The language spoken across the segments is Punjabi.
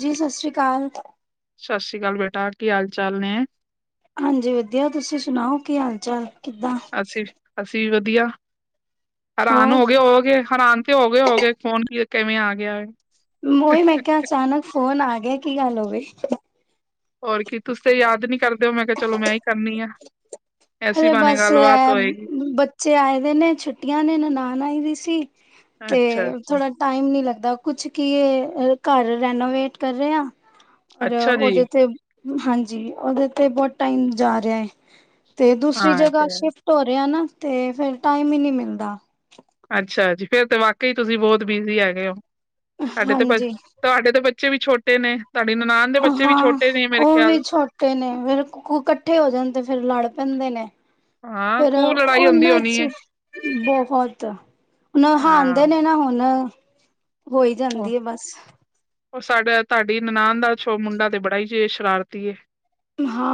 ਜੀ ਸਤਿ ਸ੍ਰੀ ਅਕਾਲ ਸਤਿ ਸ਼੍ਰੀ ਅਕਾਲ ਬੇਟਾ ਕੀ ਹਾਲ ਚਾਲ ਨੇ ਹਾਂਜੀ ਵਧੀਆ ਤੁਸੀਂ ਸੁਣਾਓ ਕੀ ਹਾਲ ਚਾਲ ਕਿੱਦਾਂ ਅਸੀਂ ਅਸੀਂ ਵੀ ਵ ਵਧੀਆ ਹੈਰਾਨ ਹੋਰ ਹੋ ਗਏ ਹੋ ਗਏ ਹੈਰਾਨ ਹੋ ਗਏ ਹੋ ਗਏ ਫੋਨ ਕੀ ਕਿਵੇਂ ਆ ਗਿਆ ਮੈਂ ਉਹੀ ਕਿਹਾ ਅਚਾਨਕ ਫੋਨ ਆ ਗਿਆ ਕੀ ਗੱਲ ਹੋ ਗਈ ਹੋਰ ਕੀ ਤੁਸੀ ਤੇ ਯਾਦ ਨਹੀਂ ਕਰਦੇ ਹੋ ਮੈਂ ਕਿਹਾ ਚਲੋ ਮੈਂ ਹੀ ਕਰਨੀ ਆ ਐਸੀ ਅਰੇ ਬਾਨੇ ਬਸ ਗੱਲਬਾਤ ਹੋਏਗੀ ਬੱਚੇ ਆਏ ਹੋਏ ਨੇ ਛੁੱਟੀਆਂ ਨੇ ਨਨਾਣ ਆਈ ਸੀ ਸੀਖ ਤੇ ਅੱਛਾ ਅੱਛਾ ਥੋੜਾ ਟਾਈਮ ਨੀ ਲੱਗ ਕੁਛ ਕੀ ਘਰ ਰੈਨੋਵੇਟ ਕਰ ਰਿਹਾ ਔਰ ਅੱਛਾ ਜੀ ਉਹਦੇ ਤੇ ਹਾਂਜੀ ਉਹਦੇ ਤੇ ਬਹੁਤ ਟਾਈਮ ਜਾ ਰਿਹਾ ਹੈ ਤੇ ਦੂਸਰੀ ਹਾਂ ਇਹ ਜਗ੍ਹਾ ਤੇ ਹੈ ਸ਼ਿਫਟ ਹੋ ਰਿਹਾ ਨਾ ਤੇ ਫਿ ਰ ਟਾਈਮ ਹੀ ਨਹੀਂ ਮਿਲਦਾ ਅੱਛਾ ਜੀ ਫੇਰ ਤੇ ਵਾਕਈ ਤੁਸੀਂ ਬਹੁਤ ਬਿਜੀ ਹੈਗੇ ਹੋ ਸਾਡੇ ਤੋਂ ਬ ਹਾਂਜੀ ਸਾਡੇ ਤੋਂ ਬੱਚੇ ਵੀ ਛੋਟੇ ਨੇ ਤੁਹਾਡੀ ਨਨਾਣ ਦੇ ਬੱਚੇ ਵੀ ਹਾਂ ਛੋਟੇ ਨੇ ਮੇਰੇ ਉਹ ਖਿਆਲ ਵੀ ਛੋਟੇ ਨੇ ਫਿਰ ਇਕੱਠੇ ਹੋ ਜਾਣ ਤੇ ਫਰ ਲੜ ਪੈਂਦੇ ਨੇ ਹਾਂ ਫਿਰ ਖੂਬ ਲੜਾਈ ਹੁੰਦੀ ਉਹਨਾਂ ਹੋਣੀ ਹੈ ਚ ਬਹੁਤ ਹਾਂ ਨਹਾਂਉਂਦੇ ਨੇ ਨਾ ਹੁਣ [unintelligible] ਹੋਈ ਉਹ ਜਾਂਦੀ ਹੈ ਬਸ ਉਹ ਸਾਡਾ ਤੁਹਾਡੀ ਨਨਾਣ ਦਾ ਮੁੰਡਾ ਤੇ ਬੜਾ ਹੀ ਜਿ ਸ਼ਰਾਰਤੀ ਏ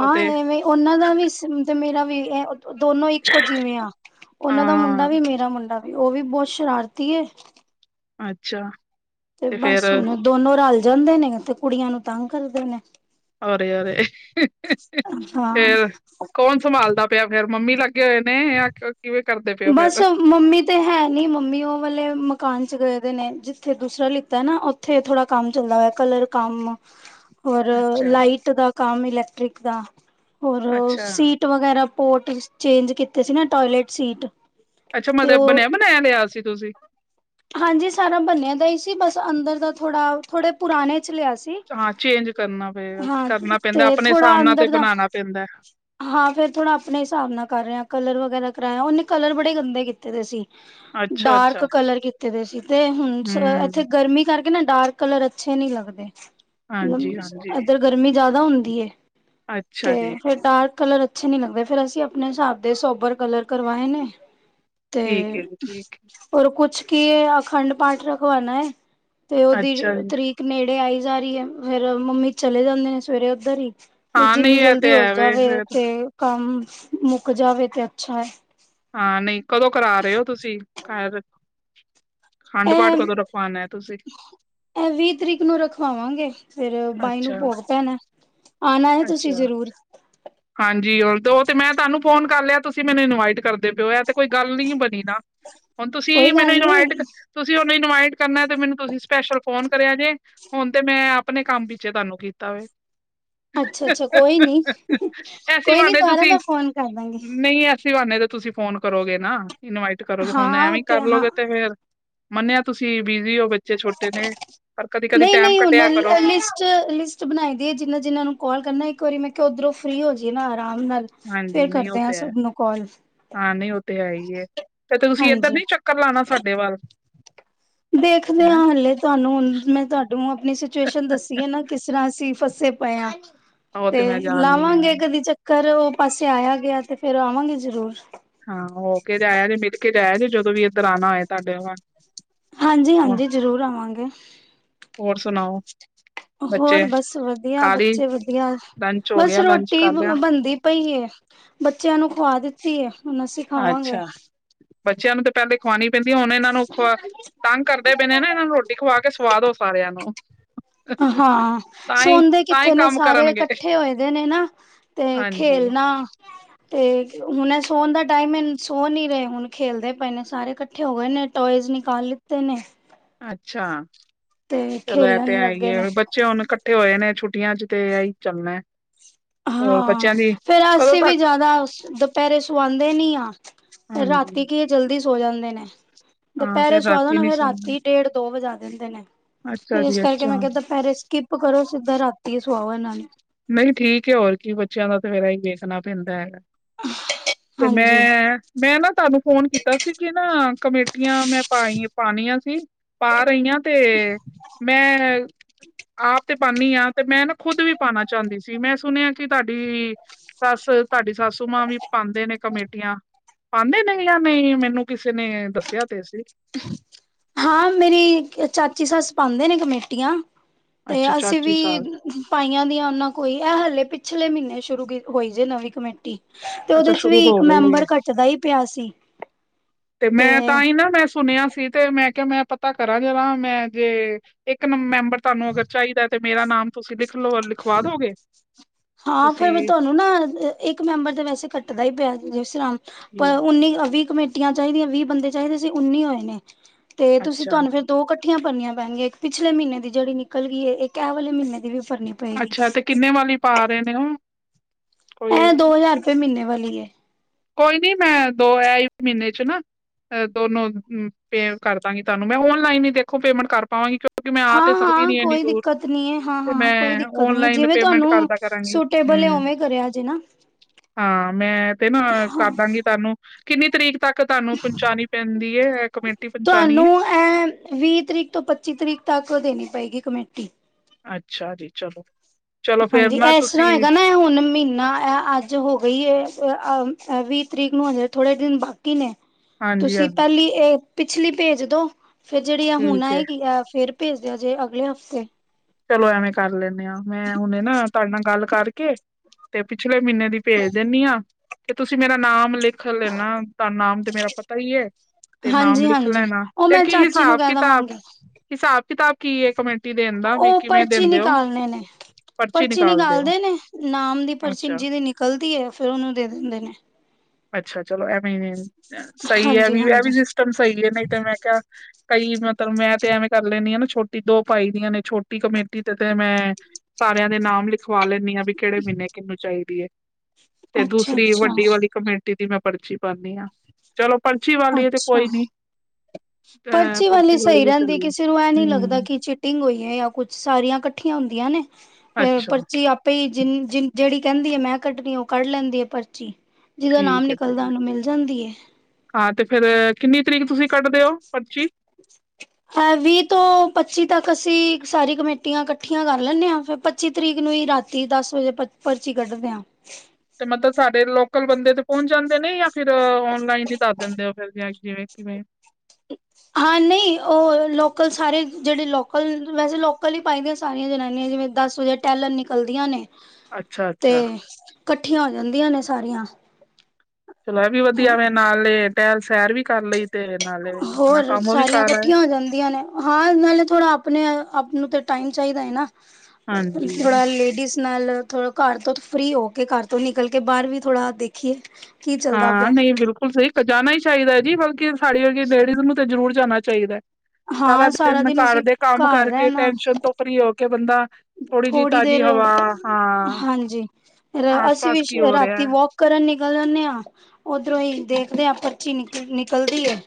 ਉਹ ਤੇ ਐਵੇਂ ਉਹਨਾਂ ਦਾ ਵੀ ਮੇਰਾ ਵੀ ਇਹ ਦੋਨੋ ਇੱਕੋ ਜਿਵੇਂ ਆ ਉਹਨਾਂ ਦਾ ਮੁੰਡਾ ਹਾਂ, ਵੀ ਮੇਰਾ ਮੁੰਡਾ ਵੀ ਉਹ ਵੀ ਬਹੁਤ ਸ਼ਰਾਰਤੀ ਅੱਛਾ ਤੇ ਬਸ ਹੁਣ ਦੋਨੋ ਰਲ ਜਾਂਦੇ ਨੇ ਤੇ ਕੁੜੀਆਂ ਨੂੰ ਤੰਗ ਕਰਦੇ ਨੇ ਅਰੇ ਅਰੇ, ਹਾਂ ਫੇਰ ਕੌਣ ਸੰਭਾਲਦਾ ਪਿਆ ਫੇਰ ਮੰਮੀ ਲੱਗ ਗਏ ਨੇ ਆਖਰ- ਬਸ ਮੰਮੀ ਤੇ ਹੈ ਨੀ, ਮੰਮੀ ਉਹ ਵਾਲੇ ਮਕਾਨ ਚ ਗਏ ਨੇ ਜਿੱਥੇ ਦੂਸਰਾ ਲਿੱਤਾ ਨਾ ਉੱਥੇ ਥੋੜਾ ਕੰਮ ਚੱਲਦਾ ਹੋਇਆ, ਕਲਰ ਕੰਮ ਹੋਰ ਅੱਛਾ, ਲਾਈਟ ਦਾ, ਕੰਮ ਇਲੈਕਟ੍ਰਿਕ ਦਾ ਔਰ ਅੱਛਾ, ਸੀਟ ਵਗੈਰਾ, ਪੋਰਟ ਚੇਂਜ ਕੀਤੇ ਸੀ ਨਾ ਟੋਇਲੇਟ ਸੀਟ, ਅੱਛਾ ਤੇ ਮਤਲਬ ਉਹ ਬਣਿਆ ਬਣਾਇਆ ਲਿਆ ਸੀ, ਤੁਸੀਂ, ਹਾਂਜੀ ਸਾਰਾ ਬਣਿਆ ਦਾ ਹੀ ਸੀ, ਬਸ ਅੰਦਰ ਦਾ ਥੋੜ੍ਹਾ ਥੋੜੇ ਪੁਰਾਣੇ ਚ ਲਿਆ ਸੀ, ਹਾਂ ਚੇਂਜ ਕਰਨਾ ਪਏਗਾ, ਹਾਂ ਕਰਨਾ ਪੈਂਦਾ ਤੇ ਆਪਣੇ ਹਿਸਾਬ ਥੋੜਾ ਨਾਲ ਤੇ ਅੰਦਰ ਦਾ ਬਣਾਣਾ ਪੈਂਦਾ। ਹਾਂ ਫੇਰ ਥੋੜਾ ਆਪਣੇ ਹਿਸਾਬ ਨਾਲ ਕਰ ਰਿਹਾ ਕਲਰ ਵਗੈਰਾ, ਕਰਾਇਆ ਉਹਨੇ ਕਲਰ ਬੜੇ ਗੰਦੇ ਕੀਤੇ ਦੇ ਸੀ, ਡਾਰਕ ਅੱਛਾ-ਅੱਛਾ, ਕਲਰ ਕੀਤ ਕਰੇ ਸੀ, ਤੇ ਹੁਣ ਇੱਥੇ ਹੂੰ, ਗਰਮੀ ਕਰਕੇ ਤੇ ਨਾ ਡਾਰਕ ਕਲਰ ਅੱਛੇ ਨਹੀਂ ਲੱਗਦੇ, ਮੀਨਸ ਹਾਂਜੀ-ਹਾਂਜੀ, ਇੱਧਰ ਗਰਮੀ ਜ਼ਿਆਦਾ [unintelligible] ਹੁੰਦੀ ਏ, ਤੇ ਅੱਛਾ ਜੀ। ਫਿਰ ਡਾਰ ਕਲਰ ਅੱਛੇ ਨੀ ਲੱਗਦੇ ਫੇਰ ਅਸੀਂ ਆਪਣੇ ਹਿਸਾਬ ਦੇ ਸੋਬਰ ਕਲਰ ਕਰਵਾਏ ਨੇ, ਤੇ ਠੀਕ ਐ ਜੀ ਠੀਕ ਐ, ਹੋਰ ਕੁਛ, ਕੀ ਆਖੰਡ ਪਾਠ ਰਖਵਾਨਾ ਹੈ, ਤੇ ਉਹਦੀ ਅੱਛਾ ਜੀ, ਤਰੀਕ ਨੇੜੇ ਆਈ, ਜਾ ਰਹੀ ਹੈ ਫੇਰ ਮੰਮੀ ਚਲੇ ਜਾਂਦੇ ਨੇ ਸਵੇਰੇ ਉੱਧਰ ਹੀ, ਹਾਂ ਨਈ ਜਿੰਨੀ ਐ ਜਲਦੀ ਤੇ ਹੋ ਹੈ ਵੇ ਜਾਵੇ, ਫੇਰ ਤੇ ਕੰਮ ਮੁੱਕ ਜਾਵੇ ਤੇ ਅੱਛਾ ਹੈ। ਹਾਂ, ਨਹੀਂ ਕਦੋਂ ਕਰਾ ਰਹੇ ਹੋ ਤੁਸੀਂ ਘਰ [unintelligible] ਪਾਠ ਇਹ, ਕਦੋਂ ਰਖਵਾਨਾ ਤੁਸੀਂ? ਇਹ ਵੀਹ ਤਰੀਕ ਨੂੰ ਰਖਵਾਵਾਂਗੇ ਫਿਰ, ਬਾਈ ਨੂੰ ਅੱਛਾ ਭੋਗ ਪੈਣਾ, ਆਉਣਾ ਹੈ ਤੁਸੀਂ ਅੱਛਾ ਜ਼ਰੂਰ, ਹਾਂਜੀ ਤੇ ਉਹ ਤੇ ਮੈਂ ਤੁਹਾਨੂੰ ਫੋਨ ਕਰ ਲਿਆ ਤੁਸੀਂ ਮੈਨੂੰ ਇਨਵਾਈਟ ਕਰਦੇ ਪਏ ਹੋ ਆ ਤੇ ਕੋਈ ਗੱਲ ਨੀ ਬਣੀ ਨਾ ਹੁਣ ਤੁਸੀਂ ਕੋਈ ਮੈਨੂੰ ਗੱਲ ਇਨਵਾਈਟ ਨੀ ਤੁਸੀਂ ਇਨਵਾਈਟ ਕਰਨਾ ਤੇ ਮੈਨੂੰ ਤੁਸੀਂ ਸਪੈਸ਼ਲ ਫੋਨ ਕਰਿਆ ਜੇ ਹੁਣ ਤੇ ਮੈਂ ਆਪਣੇ ਕੰਮ ਪੇ ਤੁਹਾਨੂੰ ਕੀਤਾ ਵ ਅੱਛਾ ਅੱਛਾ ਕੋਈ ਨੀ ਐਸੀ ਕੋਈ ਨੀ ਵਾਂਦੇ ਦੁਬਾਰਾ ਮੈਂ ਤੁਸੀਂ ਫੋਨ ਕਰ ਦਾਂਗੀ ਨਹੀਂ ਐਸੀ ਸਵਾਨੇ ਦਾ ਤੁਸੀਂ ਫੋਨ ਕਰੋਗੇ ਨਾ ਇਨਵਾਈਟ ਕਰੋਗੇ ਹੁਣ ਹਾਂ ਉਹ ਐਵੇਂ ਹੀ ਕਰ ਹਾਂ ਲੋਗੇ ਤੇ ਫੇਰ ਮੰਨਿਆ ਤੁਸੀਂ ਬਿਜੀ ਹੋ ਬੱਚੇ ਛੋਟੇ ਨੇ ਪਰ ਕਦੀ ਕਦੀ ਨਹੀਂ ਟੈਮ ਨਹੀਂ ਉਹ ਕੱਢਿਆ ਕਰੋ ਲ ਲਿਸ ਬਣਾਈ ਦੀ ਜਿਨਾ ਜਿਨਾ ਨੂੰ ਕਾਲ ਕਰਨਾ ਇੱਕ ਵਾਰੀ ਮੈਂ ਕਿਹਾ ਉਧਰੋਂ ਫ੍ਰੀ ਹੋ ਜਾਏ ਨਾ ਆਰਾਮ ਨਾਲ ਫੇਰ ਹਾਂਜੀ ਨਹੀਂ ਉਹ ਕਰਦੇ ਹਾਂ ਤੇ ਹੈ ਸਭ ਨੂੰ ਕਾਲ ਹਾਂ ਨਹੀਂ ਉਹ ਤੇ ਹੈ ਹੀ ਤੇ ਤੁਸੀਂ ਇਏਧਰ ਹਾਂਜੀ ਨੀ ਚੱਕਰ ਲਾਉਣਾ ਸਾਡੇ ਵੱਲ ਦੇਖਦੇ ਹਾਂ ਹੈਂ ਹਾਲਲੇ ਤੁਹਾਨੂੰ ਮੈਂ ਤੁਹਾਨੂੰ ਆਪਣੀ ਸਿਚੁਏਸ਼ਨ ਦਸੀਏ ਨਾ ਕਿਸ ਤਰ੍ਹਾਂ ਅਸੀ ਫਸੇ ਪਏ ਆ ਉਹ ਤੇ ਮੈਂ ਜਾਣਦੀ ਹਾਂ ਲਾਵਾਂਗੇ ਕਦੀ ਚੱਕ ਘ ਉਹ ਪਾਸੇ ਆਇਆ ਗਿਆ ਤੇ ਫੇਿਰ ਆਵਾਂਗੇ ਜ਼ਰੂਰ ਹਾਂ ਹੋ ਕੇ ਤੇ ਆਇਆ ਨੇ ਮਿਲ ਕੇ ਜੇ ਜਦੋਂ ਵੀ ਇੱਧਰ ਆਉਣਾ ਹੋਏ ਤੁਹਾਡੇ ਹਾਂਜੀ ਹੋਰ ਹਾਂਜੀ ਜ਼ਰੂਰ ਆਵਾਂਗੇ ਹੋਰ ਸੁਣਾਓ ਹੋਰ ਬੱਚੇ ਬਸ ਵਧੀਆ ਖਾ ਲਈ ਬੱਚੇ ਵਧੀਆ ਲੰਚ ਹੋ ਬਸ ਗਿਆ ਲੰਚ ਰੋਟੀ ਕਰ ਲਿਆ ਬਣਦੀ ਪਈ ਬੱਚਿਆਂ ਨੂੰ ਖਵਾ ਦਿੱਤਾ ਤੇ ਹੁਣ ਅ ਸਿਖਾਵਾਂਗੇ ਅੱਛਾ ਬੱਚਿਆਂ ਨੂੰ ਤਾਂ ਪਹਿਲੇ ਖਵਾਣੀ ਪੈਂਦੀ ਹੁਣ ਇਹਨਾਂ ਨੂੰ ਖ ਤੰਗ ਕਰਦੇ ਪੈਂਦੇ ਨਾ ਇਹਨਾਂ ਨੂੰ ਰੋਟੀ ਖਵਾ ਕੇ ਸਵਾਦ ਹੋ ਸਾਰਿਆਂ ਨੂੰ ਹਾਂ ਤਾਂ ਹੀ ਸੋਦੇ ਤਾਂ ਹੀ ਕਿੱਥੇ ਨੇ ਕੰਮ ਸਾਰੇ ਕਰਨਗੇ ਇਕੱਠੇ ਹੋਏ ਦੇ ਨੇ ਨਾ ਤੇ ਹਾਂਜੀ ਖੇਲਣਾ ਤੇ ਹੁਣ ਸੋਣ ਦਾ ਟਾਈਮ ਹੈ ਸੋ ਨੀ ਰਹੇ ਹੁਣ ਖੇਲਦੇ ਪਏ ਨੇ ਸਾਰੇ ਇਕੱਠੇ ਹੋ ਗਏ ਨੇ ਟੋਇਜ਼ ਨਿਕਾਲ ਲਿੱਤੇ ਨੇ ਅੱਛਾ ਤੇ ਚਲੋ ਇਹ ਤੇ ਖੇਲਣ ਲੱਗੇ ਆਈਏ ਨੇ ਬੱਚੇ ਹੁਣ ਇਕੱਠੇ ਹੋਏ ਨੇ ਛੁੱਟੀਆਂ ਚ ਤੇ ਆ ਹੀ ਚੱਲਣਾ ਹੈ ਹੋਰ ਹਾਂ ਬੱਚਿਆਂ ਦੀ ਫੇਰ ਕਦੋਂ ਅਸੀਂ ਵੀ ਤੱਕ ਜ਼ਿਆਦਾ ਦੁਪਹਿਰੇ ਸਆਂਦੇ ਦੇ ਨੀ ਆ ਹਾਂਜੀ ਰਾਤੀ ਕੀ ਹੈ ਜਲਦੀ ਸ ਹੋ ਜਾਂਦੇ ਨੇ ਹਾਂ ਦੁਪਹਿਰੇ ਫੇਰ ਸੁਆਦੋ ਰਾਤੀ ਨਾ ਨੀ ਫੇਿਰ ਸੌਣਾ ਰਾਤੀ ਡੇਢ ਦੋ ਵਜਾ ਨ ਨੇ ਅੱਛਾ ਜੀ ਫਿਰ ਮੈਂ ਅੱਛਾ ਕਿਹਾ ਦੁਪਹਿਰੇ ਸਕਿਪ ਕਰੋ ਸਿੱਦਾਂ ਰਾਤੀ ਸੁਆਹ ਇਹਨਾਂ ਨਹੀਂ ਠੀਕ ਹੈ ਹੋਰ ਕੀ ਬੱਚਿਆਂ ਦਾ ਹੀ ਵੇਖਣਾ ਪੈਂਦਾ ਹੈਗਾ ਤੇ ਹਾਂਜੀ ਮੈਂ ਮੈਂ ਨਾ ਤੁਹਾਨੂੰ ਫੋਨ ਕੀਤਾ ਸੀ ਕਿ ਨਾ ਕਮੇਟੀਆਂ ਮੈਂ ਪਾਈ ਪਾਣੀੀਆਂ ਸੀ ਪਾ ਰਹੀ ਹਾਂ ਤੇ ਮੈਂ ਆਪ ਤੇ ਪਾਉਦੀ ਹ ਤੇ ਮੈਂ ਨਾ ਖੁਦ ਵੀ ਪਾਉਣਾ ਚਾਹੁੰਦੀ ਸੀ ਮੈਂ ਸੁਣਿਆ ਕਿ ਤੁਹਾਡੀ ਸੱਸ ਤੁਹਾਡੀ ਸੱਸ ਵੀ ਪਾਉਂਦੇ ਨੇ ਕਮੇਟੀਆਂ ਪਾਉਦੇ ਨੇ ਜਾਂ ਨਹੀਂ ਮੈਨੂੰ ਕਿਸੇ ਨੇ ਦੱਸਿਆ ਤੇ ਸੀ ਹਾਂ ਮੇਰੀ ਚਾਚੀ ਸੱਸ ਪਾਉਂਦੇ ਨੇ ਕਮੇਟੀਆਂ ਤੇ ਅੱਛਾ ਅਸੀਂ ਚਾਚੀ ਵੀ ਸਾਸ ਪਾਈਆਂ ਦੀਆਂ ਉਹਨਾਂ ਕੋਈ ਇਹ ਹਾਲਲੇ ਪਿਛਲੇ ਮਹੀਨੇ ਸ਼ੁਰੂ ਹੋਈ ਜੇ ਨਵੀਂ ਕਮੇਟੀ ਤੇ ਉਹਦੇ ਅੱਛਾ ਚ ਸ਼ੁਰੂ ਵੀ ਇੱਕ ਹੋ ਗਈ ਹੈ। ਮੈਂਬਰ ਘੱਟਦਾ ਹੀ ਪਿਆ ਸੀ ਤੇ ਮੈਂ ਤਾਂ ਹੀ ਨਾ ਮੈਂ ਸੁਣਿਆ ਸੀ ਤੇ ਮੈਂ ਕਿਹਾ ਮੈਂ ਪਤਾ ਕਰਾਂ ਜਰਾ ਮੈਂ ਜੇ ਇੱਕ ਮੈਂ ਤੁਹਾਨੂੰ ਅਰ ਚਾਹੀਦਾ ਤੇ ਮੇਰਾ ਨਾਮ ਤੁਸੀਂ ਲਓ ਲਿਖਵਾ ਦੋਗੇ ਹਾਂ ਫੇਿਰ ਤੁਸੀਂ ਤੁਹਾਨੂੰ ਨਾ ਇੱਕ ਮੈਂਬਰ ਤੇ ਵੈਸੇ ਕੱਟਦਾ ਹੀ ਪਿਆ ਜਸਰਾਮ ਜੀ, ਪਰ ਉੱਨੀ ਅਵੀ ਕਮੇਟੀਆਂ ਚਾਹੀਦੀਆਂ ਵੀਹ ਬੰਦੇ ਚਾਹੀਦੇ ਸੀ ਉੱਨੀ ਹੋਏ ਨੇ ਤੇ ਤੁਸੀਂ ਅੱਛਾ ਤੁਹਾਨੂੰ ਫੇਰ ਦੋ ਕੱ ਇਕੱਠੀਆਂ ਭਰਨੀਆਂ ਪੈਣਗੀਆਂ ਇੱਕ ਪਿਛਲੇ ਮਹੀਨੇ ਜਿਹੜ ਨਿਕਲਈ ਇੱਕ ਇਹ ਵਾਲੇ ਮਹੀਨੇ ਦੀ ਵੀ ਭਰਨੀ ਪਏਗੀ ਅੱਛਾ ਤੇ ਕਿੰਨੇ ਵਾਲੀ ਪਾ ਰਹੇ ਨੇ ਉਹ ਕੋਈ ਇਹਂ ਦੋ ਹਜ਼ਾਰ ਰੁਪਏ ਮਹੀਨੇ ਵਾਲੀ ਏ ਕੋਈ ਨੀ ਮੈਂ ਦੋ ਆ ਹੀ ਮਹੀਨੇ ਚ ਨਾ ਦੋਨੋ ਹਮ ਫੇ ਕਰਦਾਂਗੇ ਤੁਹੂੰ ਮੈਂ ਔਨਈਨ ਹੀ ਦੇਖੋ ਪੇਮੈਂਟ ਕਰ ਪਾਵਾਂਗੀ ਕਿਂ ਹਾਂ, ਹਾਂ ਕੋਈ ਦਿੱਕਤ ਨੀ ਹੈ ਹਾਂ, ਤੇ ਹਾਂ ਕੋਈ ਮੈਂ ਦਿੱਕਤ ਨੀ ਹੈ ਔਨਲਾਈਨ ਜਿਵੇਂ ਪੇਮੈਂਟ ਤੁਹਾਨੂੰ ਕਰਦਾ ਕਰਾਂਗੀ ਸੁਟੇਬਲ ਹੈ ਹੂੰ ਉਵੇਂ ਕਰਿਆ ਜੇ ਨਾ ਹਾਂ, ਮੈਂ ਤੇ ਨਾ ਕਰਦਾਂਗੀ ਤੁਹਾਨੂੰ ਕਿੰਨੀ ਤਰੀਕ ਤੱਕ ਤੁਹਾਨੂੰ ਪਹੁੰਚਾਣੀ ਪੈਂਦੀ ਹੈ ਇਹ ਕਮੇਟੀ ਪਹੁੰਚਾਣੀ ਤੁਹਾਨੂੰ ਇਹ ਵੀਹ ਤਰੀਕ ਤੋਂ ਪੱਚੀ ਤਰੀਕ ਤੱਕ ਦੇਣੀ ਪਏਗੀ ਕਮੇਟੀ ਅੱਛਾ ਜੀ, ਚਲੋ। ਚਲੋ ਫੇਰ ਹਾਂਜੀ ਨਾ ਇਸ ਤਰ੍ਹਾਂ ਤੁਸੀਂ ਹੈਗਾ ਨਾ ਹੁਣ ਮਹੀਨਾ ਅੱਜ ਹੋ ਗਈ ਏ ਅ ਅ ਵੀਹ ਤਰੀਕ ਨੂੰ ਆ ਜਾ ਥੋੜੇ ਦਿਨ ਬਾਕੀ ਨੇ। ਹਾਂਜੀ ਤੁਸੀਂ ਹਾਂਜੀ ਪਹਿਲੀ ਇਹ ਪਿਛਲੀ ਭੇਜ ਦੋ ਫਿਰ ਜਿਹੜੀ ਆ ਹੁਣ ਠੀਕ ਹੈ ਆਏਗੀ ਆ ਫਿਰ ਭੇਜ ਦਿਓ ਜੇ ਅਗਲੇ ਹਫ਼ਤੇ ਚਲੋ ਐਵੇਂ ਕਰ ਲੈਂਦੇ ਆਂ ਮੈਂ ਹੁਣੇ ਨਾ ਤੁਹਾਡੇ ਨਾਲ ਗੱਲ ਕਰਕੇ ਤੇ ਪਿਛ ਪਿਛਲੇ ਮਹੀਨੇ ਦੀ ਭੇਜ ਦਿੰਦੀ ਆਂ। ਤੇ ਤੁਸੀਂ ਮੇਰਾ ਨਾਮ ਲਿਖ ਲਿਖ ਲੈਣਾ ਤਾਂ ਨਾਮ ਤੇ ਮੇਰਾ ਪਤਾ ਹੀ ਹੈ, ਤੇ ਨਾਮ ਹਾਂਜੀ ਲਿਖ ਹਾਂਜੀ ਲੈਣਾ ਉਹ ਤੇ ਮੈਂ ਕੀ ਚਾਚੀ ਨੂੰ ਹਿਸਾਬ ਕਹਿ ਕਿਤਾਬ- ਦੇਵਾਂਗੀ ਹਿਸਾਬ ਕਿਤਾਬ ਕੀ ਇੱਕ ਮਿੰਟ ਕੀ ਦਿਨ ਦਾ ਵੀ ਉਹ ਕਿਵੇਂ ਪਰਚੀ ਦਿੰਦੇ ਹੋ ਨਿਕਾਲਣੇ ਨੇ ਪਰਚੀ ਨਿਕਾਲਦੇ ਨੇ ਨਾਮ ਦੀ ਪਰਚੀ ਅੱਛਾ ਜਿਹਦੀ ਨਿਕਲਦੀ ਹੈ, ਫਿਰ ਉਹਨੂੰ ਦੇ ਦਿੰਦੇ ਨੇ। ਅੱਛਾ, ਚਲੋ ਐਵੇਂ ਸਹੀ ਐ ਹਾਂਜੀ ਵੀ ਇਹ ਵੀ ਹਾਂਜੀ ਸਿਸਟਮ ਸਹੀ ਹੈ ਨਹੀਂ ਤੇ ਮੈਂ ਕਿਹਾ ਕਈ ਮਤਲਬ ਮੈਂ ਤੇ ਐਵੇਂ ਕਰ ਲੈਂਦੀ ਹਾਂ ਨਾ ਛੋਟੀ ਦੋ ਪਾਈ ਦੀਆਂ ਨੇ ਛੋਟੀ ਕਮੇਟੀ ਤੇ ਤੇ ਮੈਂ ਸਾਰਿਆਂ ਦੇ ਨਾਮ ਲਿਖਵਾ ਲੈਂਦੀ ਹਾਂ। ਵੀ ਕਿਹੜੇ ਮਹੀਨੇ ਕਿਹਨੂੰ ਚਾਹੀਦੀ ਐ। ਤੇ ਅੱਛਾ ਦੂਸਰੀ ਅੱਛਾ ਵੱਡੀ ਵਾਲੀ ਕਮੇਟੀ ਦੀ ਮੈਂ ਪਰਚੀ ਪਾਂਦੀ ਹਾਂ, ਚਲੋ ਪਰਚੀ ਵਾਲੀ ਐ ਤੇ ਅੱਛਾ ਕੋਈ ਨੀ ਅ ਪਰਚੀ ਵਾਲੀ ਸਹੀ ਵੀ ਰਹਿੰਦੀ ਚਲੂ ਕਿਸੇ ਨੂੰ ਇਹ ਨੀ ਲੱਗਦਾ ਹੂੰ ਕਿ ਚੀਟਿੰਗ ਹੋਈ ਹੈ, ਜਾਂ ਕੁੱਛ ਸਾਰੀਆਂ ਇਕੱਠੀਆਂ ਹੁੰਦੀਆਂ ਨੇ। ਤੇ ਅੱਛਾ ਪਰਚੀ ਆਪੇ ਜਿਨ ਜਿਹੜੀ ਕਹਿੰਦੀ ਐ ਮੈਂ ਕੱਢਣੀ ਉਹ ਕੱਢ ਲੈਂਦੀ ਹੈ ਪਰਚੀ। ਜਿਹਦਾ ਨਾਮ ਠੀਕ ਐ ਤੇ ਨਿਕਲਦਾ ਉਹਨੂੰ ਮਿਲ ਜਾਂਦੀ ਏ। ਫਿਰ ਕਿੰਨੀ ਤਰੀਕ ਤੁਸੀਂ ਕੱਢਦੇ ਹੋ ਪਰਚੀ। ਹੈ ਵੀਹ ਤੋਂ ਪੱਚੀ ਤੱਕ ਅਸੀਂ ਸਾਰੀ ਕਮੇਟੀਆਂ ਇਕੱਠੀਆਂ ਕਰ ਲੈਂਦੇ ਹਾਂ ਫਿਰ ਪੱਚੀ ਤਰੀਕ ਨੂੰ ਹੀ ਰਾਤੀ ਦਸ ਵਜੇ ਪਰਚੀ ਕੱਢਦੇ ਹਾਂ ਤੇ ਮਤਲਬ ਸਾਡੇ ਲੋਕਲ ਬੰਦੇ ਪਹੁੰਚ ਜਾਂਦੇ ਨੇ ਜਾਂ ਫਿਰ ਔਨਲਾਈਨ ਹੀ ਦੱਸ ਦਿੰਦੇ ਉਹ ਫਿਰ ਜਿਵੇਂ ਕਿਵੇ ਹਾਂ ਨਹੀਂ ਉਹ ਲੋਕਲ ਸਾਰੇ ਜਿਹੜੇ ਲੋਕਲ ਵੈਸੇ ਲੋਕਲ ਹੀ ਪਾਈ ਦੀਆਂ ਸਾਰੀਆਂ ਜਨਾਨੀਆਂ ਜਿਵੇਂ ਦਸ ਵਜੇ ਟੈਲਰ ਨਿਕਲਦੀਆਂ ਨੇ ਅੱਛਾ ਤੇ ਅੱਛਾ ਇਕੱਠੀਆਂ ਹੋ ਜਾਂਦੀਆਂ ਨੇ ਸਾਰੀਆਂ ਚਲੋ ਇਹ ਵੀ ਵਧੀਆ ਮੇਰੇ ਨਾਲ ਪੈਲ ਸੈਰ ਵੀ ਕਰ ਲਈ ਤੇ ਨਾਲੇ ਆਪਣਾ ਹੋਰ ਕੰਮ ਵੀ ਸਾਰੀਆਂ ਕਰ ਆਏ ਇਕੱਠੀਆਂ ਹੋ ਜਾਂਦੀਆਂ ਨੇ ਹਾਂ ਨਾਲੇ ਥੋੜਾ ਆਪਣੇ ਆਪ ਨੂੰ ਤੇ ਟਾਈਮ ਚਾਹੀਦਾ ਹੈ ਨਾ ਹਾਂਜੀ ਥੋੜਾ ਲੇਡੀਜ਼ ਨਾਲ ਥੋੜਾ ਘਰ ਤੋਂ ਫ੍ਰਰੀ ਹੋ ਕੇ ਘਰ ਤੋਂ ਨਿਕਲ ਕੇ ਬਾਹਰ ਵੀ ਥੋੜਾ ਦੇਖੀਏ ਕੀ ਚੱਲਦਾ ਹਾਂ ਪਿਆ ਨਹੀਂ ਬਿਲਕੁਲ ਸਹੀਜਾਨਾ ਹੀ ਚਾਹੀਦਾ ਜੀ ਬਲਕਿ ਸਾਡੀ ਲੇਡੀਜ਼ ਨੂੰ ਤਾਂ ਜ਼ਰੂਰਰੀ ਜਾਣਾ ਚਾਹੀਦਾ ਸਾਰਾ ਹਾਂ ਦਿਨ ਘਰ ਅਸੀਂ ਦੇ ਕੰਮ ਘਰ ਕਰਕੇ ਰਹਿਣਾ ਟੈਨਸ਼ਨ ਤੋਂ ਫ੍ਰੀ ਹੋ ਕੇ ਬੰਦਾ ਜਿਹੀ ਥੋੜ੍ਹੀ ਦੇਰ ਤਾਜ਼ੀ ਹਵਾ ਹਾਂ ਹਾਂਜੀ ਆਸ ਅਸੀਂ ਪਾਸ ਵੀ ਕੀ ਹੋ ਰਾਤੀ ਰਿਹਾ ਵੋਕ ਕਰਨ ਨਿਕਲ ਜਾਂਦੇ ਹਾਂ ਉਓਧਰੋਂ ਹੀ ਦੇਖਦੇ ਹਾਂ ਪਰਚੀ ਨਿਕਲ ਨਿਕਲਦੀ ਹੈ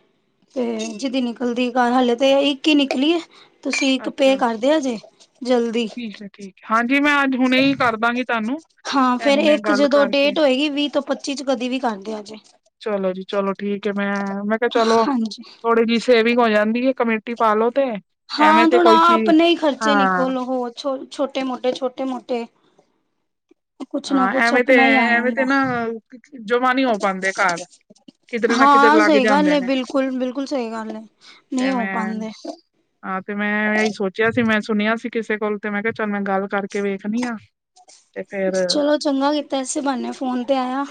ਤੇ ਜਿਦੀ ਨਿਕਲਦੀ ਘ ਹਾਲੇ ਤੇ ਇੱਕ ਹੀ ਨਿਕਲੀ ਤੁਸੀਂ ਇੱਕ ਪੇ ਅੱਛਾ ਕਰਦੇਓ ਜੇ ਜਲਦੀ ਠੀਕ ਹੈ ਠੀਕ ਹਾਂਜੀ ਮੈਂ ਅੱਜ ਹੁਣੇ ਹੀ ਕਰਦਾਂਗੀ ਤੁਹਾਨੂੰ ਹਾਂ ਇਹ ਫੇਰ ਹੁਣੇ ਇੱਕ ਗੱਲ ਜਦੋਂ ਕਰਕੇ ਡੇਟ ਹੋਏਗੀ ਵੀਹ ਤੋਂ ਪੱਚੀ ਚ ਕਦੀ ਵੀ ਕਰਦੇ ਆ ਜੇ ਚਲੋ ਜੀ ਚਲੋ ਠੀਕ ਹੈ ਮੈਂ ਮੈਂ ਕਿਹਾ ਚਲੋ ਹਾਂਜੀ ਥੋੜੀ ਜਿ ਸੇਵਿੰਗ ਹੋ ਜਾਂਦੀ ਕਮੇਟੀ ਪਾਾਲ ਲੋ ਹਾਂ ਥੋੜਾ ਆਪਣੇ ਹੀ ਹਾਂ ਖਰਚੇ ਨਿਕੋਲ ਛੋਟੇ ਮੋਟੇ ਛੋਟੇ ਮੋਟੇ ਹਾਂ ਐਵੇਂ ਤੇ ਆਪਣਾ ਹੀ ਆ ਐਵੇਂ ਤੇ ਜਾਂਦਾ ਨਾ ਜਮਾ ਨੀ ਹੋ ਪਾਉਂਦੇ ਘਰ ਕਿਧਰੇ ਨਾ ਕਿਧਰੇ ਹਾਂ ਲੱਗ ਸਹੀ ਗੱਲ ਜਾਂਦੇ ਹੈ ਨੇ ਬਿਲਕੁਲ ਬਿਲਕੁਲ ਸਹੀ ਗੱਲ ਹੈ ਤੇ ਨਹੀਂ ਹੋ ਮੈਂ ਪਾਉਂਦੇ ਹਾਂ ਤੇ ਮੈਂ ਇਹੀ ਸੋਚਿਆ ਸੀ ਮੈਂ ਸੁਣਿਆ ਸੀ ਕਿਸੇ ਕੋਲ ਤੇ ਮੈਂ ਕਿਹਾ ਚੱਲ ਮੈਂ ਗੱਲ ਕਰਕੇ ਦੇਖਣੀ ਆ ਤੇ ਫੇਰ ਚਲੋ ਚੰਗਾ ਕੀਤਾ ਇਸੇ ਬਨੇ ਫੋਨ ਤੇ ਆਇਆ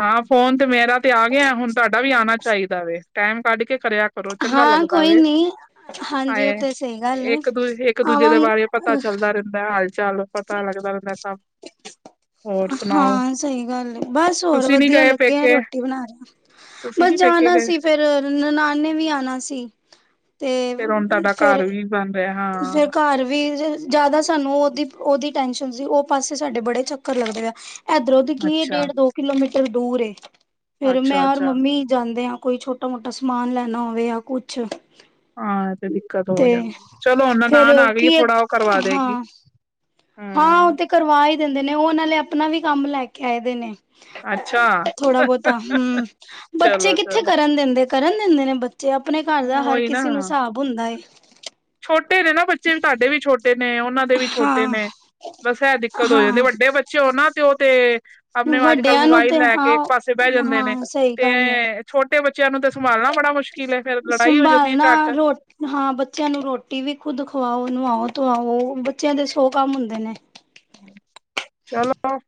ਹਾਂ ਫੋਨ ਤੇ ਮੇਰਾ ਤੇ ਆ ਗਿਆ ਹੁਣ ਤੁਹਾਡਾ ਵੀ ਆਉਣਾ ਚਾਹੀਦਾ ਵ ਟਾਈਮ ਕੱਢ ਕੇ ਕਰਿਆ ਕਰੋ ਚੰਗਾ ਹਾਂ ਲੱਗਦਾ ਕੋਈ ਵਏ ਨੀ ਹਾਂਜੀ ਉਹ ਤੇ ਸਹੀ ਗੱਲ ਏ ਇੱਕ ਦੂ ਇੱਕ ਦੂਜੇ ਆਵਾਂ ਦੇ ਬਾਰੇ ਪਤਾ ਚੱਲਦਾ ਰਹਿੰਦਾ ਹਾਲ ਚੱਲ ਪਤਾ ਲੱਗਦਾ ਰਹਿੰਦਾ ਸਾਨੂੰ ਹੋਰ ਸੁਣਾਓ। ਹਾਂ ਸਹੀ ਗੱਲ ਏ ਬਸ ਹੋਰ ਤੁਸੀਂ ਨੀ ਵਧੀਆ ਗਏ ਲੱਗੇ ਆ ਪੇਕੇ ਰੋਟੀ ਬਣਾ ਰਿਹਾ ਤੁਸੀਂ ਨੀ ਬਸ ਪੇਕੇ ਜਾਣਾ ਗਏ ਸੀ ਫੇਰ ਨਨਾਣ ਨੇ ਵੀ ਆਣਾ ਸੀ ਤੇ ਫੇਰ ਹੁਣ ਤੁਹਾਡਾ ਫਿਰ। ਘਰ ਵੀ ਬਣ ਰਿਹਾ ਫੇਰ ਹਾਂ ਘਰ ਵੀ ਜੇ ਜ਼ਿਆਦਾ ਸਾਨੂੰ ਉਹਦੀ। ਉਹਦੀ ਟੈਨਸ਼ਨ ਸੀ ਉਹ ਪਾਸੇ ਸਾਡੇ ਬੜੇ ਚੱਕਰ ਲੱਗਦੇ ਆ। ਇਧਰੋਂ ਦੀ ਕੀ ਏ ਅੱਛਾ ਡੇਢ ਦੋ ਕਿਲੋਮੀਟਰ। ਦੂਰ ਏ। ਫੇਰ ਅੱਛਾ ਮੈਂ ਔਰ ਅੱਛਾ ਮੰਮੀ ਜਾਂਦੇ ਆ। ਕੋਈ ਛੋਟਾ ਮੋਟਾ ਸਮਾਨ ਲੈਣਾ ਹੋਵੇ ਜਾਂ ਕੁਛ। ਹਾਂ ਤੇ ਦਿੱਕਤ ਹੋ ਤੇ ਜਾਂਦੀ ਹੈ ਚਲ। ਚਲੋ ਫੇਰ ਨਨਾਣ ਆ ਗਈ ਹੈ ਕੀ ਥੋੜਾ ਉਹ ਕਰਵਾ ਦੇਗੀ। ਹਾਂ ਹਾਂ ਉਹ ਹਮ ਤੇ ਕਰਵਾ ਹੀ ਦਿੰਦੇ ਨੇ ਉਹ ਨਾਲੇ ਆਪਣਾ ਵੀ ਕੰਮ ਲੈ ਕੇ ਆਏਦੇ ਨੇ। ਅੱਛਾ ਥੋੜਾ ਬਹੁਤਾ ਹੂੰ ਬੱਚੇ ਚਲੋ ਕਿੱਥੇ ਚਲੋ ਕਰਨ ਦਿੰਦੇ ਕਰਨ। ਦਿੰਦੇ ਨੇ ਬੱਚੇ। ਤੇ ਆਪਣੇ ਘਰ ਦਾ ਹਰ ਉਹੀ ਨਾ ਕਿਸੇ ਨੂੰ ਹਿਸਾਬ ਹੁੰਦਾ ਹੈ। ਛੋਟੇ ਨੇ ਨਾ ਬੱਚੇ ਵੀ ਤੁਹਾਡੇ ਵੀ ਛੋਟੇ। ਨੇ ਉਹਨਾਂ ਦੇ ਵੀ ਛੋਟੇ ਹਾਂ ਨੇ ਬਸ ਹੈ ਦਿੱਕਤ ਹੋ ਜਾਂਦੀ ਹਾਂ ਵੱਡੇ ਬੱਚੇ ਹੋਣ ਨਾ। ਤੇ ਉਹ ਤੇ। ਆਪਣੇ ਉਹ ਅੱਜ ਕੱਲ੍ਹ ਵੱਡਿਆਂ ਨੂੰ ਮੋਬਾਈਲ ਤੇ ਲੈ ਕੇ ਇੱਕ ਹਾਂ ਪਾਸੇ ਬਹਿ ਜਾਂਦੇ ਨੇ ਹਾਂ ਸਹੀ ਤੇ ਗੱਲ ਹੈ ਛੋਟੇ ਬੱਚਿਆਂ ਨੂੰ ਤੇ ਸੰਭਾਲਣਾ ਬੜਾ ਮੁਸ਼ਕਿਲ ਫੇਰ। ਲੜਾਈ ਹੋ ਜਾਂਦੀ ਹੈ ਸੰਭਾਲਣਾ ਝੱਟ ਰੋ ਹਾਂ ਬੱਚਿਆਂ ਨੂੰ ਰੋਟੀ ਵੀ ਖੁਦ ਖਵਾਓ। ਉਹ ਨੂੰ ਨਵਾਓ ਧਵਾੳ ਬੱਚਿਆਂ ਦੇ ਸੌ ਕੰਮ ਹੁੰਦੇ ਨੇ। ਹਾਂ। ਚਲੋ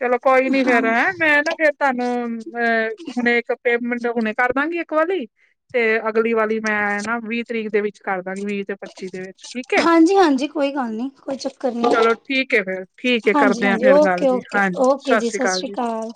ਚਲੋ ਕੋਈ ਨੀ ਹਾਂ ਫੇਰ ਹੈਂ ਮੈਂ ਨਾ ਫੇਰ ਤੁਹਾਨੂੰ ਅਹ ਹੁਣੇ ਇੱਕ ਪੇਮੈਂਟ। ਮੈਂ ਹੁਣੇ ਕਰ ਦਾਂਗੀ ਇੱਕ ਵਾਲੀ ਤੇ। ਅਗਲੀ ਵਾਲੀ ਮੈਂ ਨਾ ਵੀਹ ਤਰੀਕ ਦੇ ਵਿੱਚ। ਕਰ। ਦਾਂਗੀ ਵੀਹ ਤੇ ਪੱਚੀ ਦੇ ਵਿੱਚ ਠੀਕ ਹੈ। ਹਾਂਜੀ ਹਾਂਜੀ ਕੋਈ ਗੱਲ ਨਹੀਂ ਕੋਈ ਚੱਕਰ ਨਹੀਂ। ਚਲੋ ਠੀਕ ਹੈ ਫੇਰ ਠੀਕ ਹੈ ਹਾਂਜੀ ਕਰਦੇ ਆ ਹਾਂਜੀ ਫੇਰ ਗੱਲ ਓਕੇ ਜੀ ਓਕੇ ਹਾਂਜੀ ਓਕੇ ਜੀ ਸਤਿ ਸ੍ਰੀ ਅਕਾਲ।